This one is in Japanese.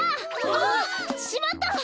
あ！しまった！